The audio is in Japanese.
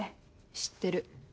知ってる。